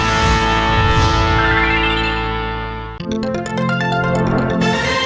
โอ้โหไทยแลนด์